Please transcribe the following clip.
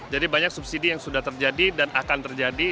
jadi banyak subsidi yang sudah terjadi dan akan terjadi